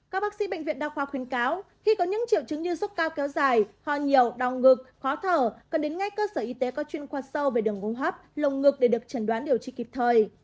các bác sĩ bệnh viện đa khoa khuyến cáo khi có những triệu chứng như sốt cao kéo dài ho nhiều đau ngực khó thở cần đến ngay cơ sở y tế có chuyên khoa sâu về đường hô hấp lồng ngực để được chẩn đoán điều trị kịp thời